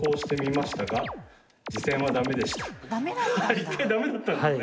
１回ダメだったんですね。